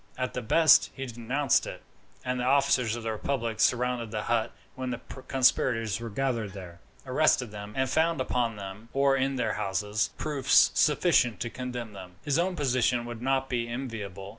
At the best, if he denounced it, and the officers of the republic surrounded the hut when the conspirators were gathered there, arrested them, and found upon them, or in their houses, proofs sufficient to condemn them, his own position would not be enviable.